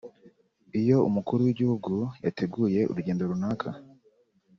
Iyo Umukuru w’Igihugu yateguye urugendo runaka